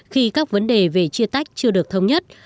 khi các vấn đề về chia tách chưa được thống nhất